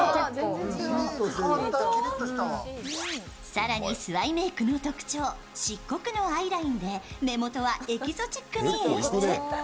更にスワイメークの特徴漆黒のアイラインで目元はエキゾチックに演出。